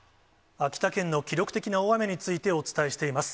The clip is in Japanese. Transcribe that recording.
秋田県の記録的な大雨についてお伝えしています。